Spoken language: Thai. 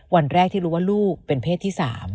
วันแรกที่รู้ว่าลูกเป็นเพศที่๓